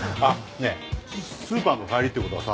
ねえスーパーの帰りって事はさ